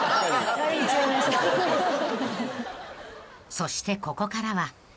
［そしてここからは］